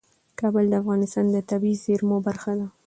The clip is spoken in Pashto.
کابل د افغانستان د طبیعي زیرمو برخه ده.